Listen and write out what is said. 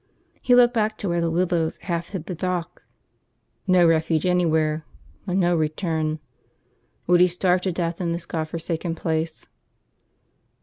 He looked back to where the willows half hid the dock. No refuge anywhere. And no return. Would he starve to death in this God forsaken place?